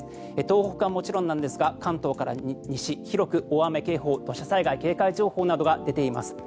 東北はもちろんなんですが関東から西広く大雨警報土砂災害警戒情報などが出ています。